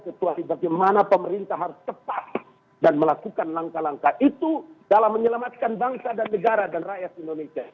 kecuali bagaimana pemerintah harus tepat dan melakukan langkah langkah itu dalam menyelamatkan bangsa dan negara dan rakyat indonesia